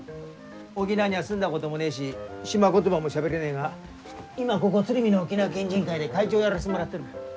沖縄には住んだこともねえし島言葉もしゃべれねえが今はここ鶴見の沖縄県人会で会長をやらせてもらってる。